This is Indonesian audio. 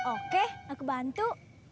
oke aku bantu